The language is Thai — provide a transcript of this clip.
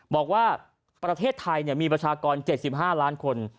บอกว่าประเทศไทยมีประชากร๗๕ล้านคน